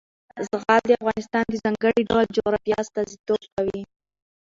زغال د افغانستان د ځانګړي ډول جغرافیه استازیتوب کوي.